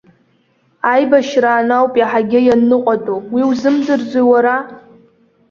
Аибашьраан ауп иаҳагьы ианныҟәатәу, уи узымдырӡои уара?!